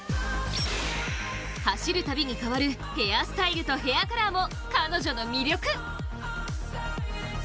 走るたびに変わるヘアスタイルとヘアカラーも彼女の魅力。